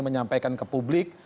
menyampaikan ke publik